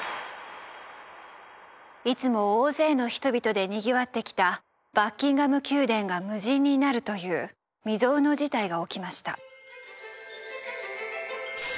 いつも大勢の人々でにぎわってきたバッキンガム宮殿が無人になるという未曽有の事態が起きました。